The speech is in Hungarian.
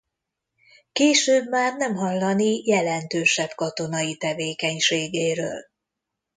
Később már nem hallani jelentősebb katonai tevékenységéről.